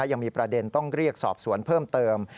ยังมีประเด็นต้องเรียกสอบสวนเพิ่มเติม